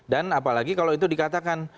dan apalagi kalau itu dikatakan